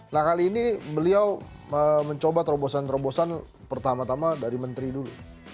nah kali ini beliau mencoba terobosan terobosan pertama tama dari menteri dulu